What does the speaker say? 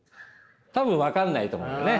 多分分かんないと思うんだよね。